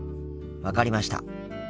分かりました。